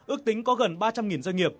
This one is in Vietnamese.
ước tính có gần ba trăm linh doanh nghiệp